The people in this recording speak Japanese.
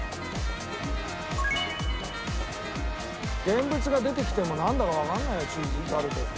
現物が出てきてもなんだかわかんないやチーズタルトって。